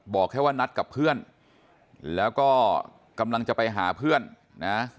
บอกแค่ว่านัดกับเพื่อนแล้วก็กำลังจะไปหาเพื่อนนะ